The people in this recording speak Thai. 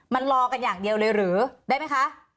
มันรอกันอย่างเดียวเลยหรือได้ไหมคะ